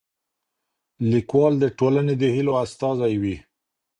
ليکوال د ټولني د هيلو استازی وي.